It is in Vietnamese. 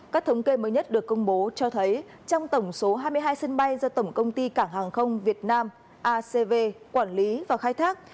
các thống kê mới nhất được công bố cho thấy trong tổng số hai mươi hai sân bay do tổng công ty cảng hàng không việt nam acv quản lý và khai thác